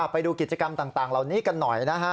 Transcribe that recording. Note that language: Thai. ไปดูกิจกรรมต่างเหล่านี้กันหน่อยนะฮะ